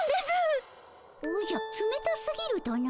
おじゃつめたすぎるとな？